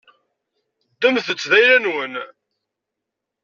Ddmet-t d ayla-nwen.